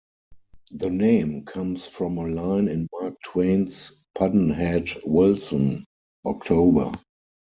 The name comes from a line in Mark Twain's Pudd'nhead Wilson: October.